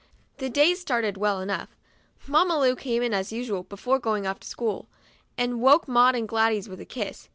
The day started well enough. Mamma Lu came in as usual, before going off to school, and woke Maud and Gladys with a kiss.